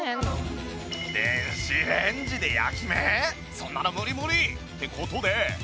そんなの無理無理！って事で。